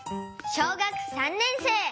小学３年生。